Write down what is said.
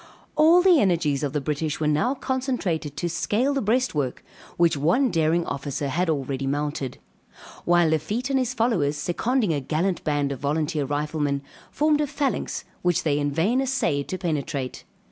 All the energies of the British were now concentrated to scale the breastwork, which one daring officer had already mounted. While Lafitte and his followers, seconding a gallant band of volunteer riflemen, formed a phalanx which they in vain assayed to penetrate.